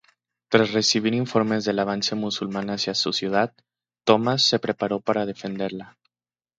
Tras recibir informes del avance musulmán hacia su ciudad, Tomás se preparó para defenderla.